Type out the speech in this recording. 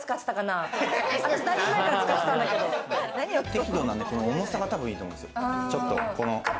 適度な重さがいいと思うんですよ。